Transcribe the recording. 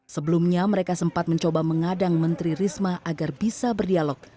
sebelumnya mereka sempat mencoba mengadang menteri risma agar bisa berdialog